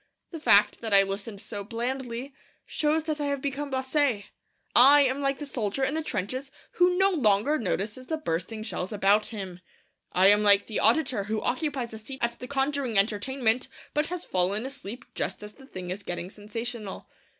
The fact that I listened so blandly shows that I have become blasé. I am like the soldier in the trenches who no longer notices the bursting shells about him. I am like the auditor who occupies a seat at the conjuring entertainment, but has fallen asleep just as the thing is getting sensational.